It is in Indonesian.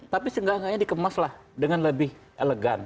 tapi seenggak enggaknya dikemaslah dengan lebih elegan